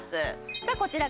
さあこちらから。